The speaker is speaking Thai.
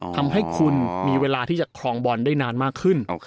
ทำให้คุณมีเวลาที่จะครองบอลได้นานมากขึ้น